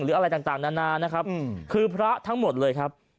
อะไรต่างนานานะครับคือพระทั้งหมดเลยครับ